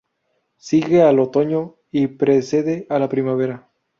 Sigue al otoño y precede a la primavera.